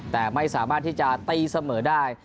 แต่ไม่สามารถที่จะตีเสมอได้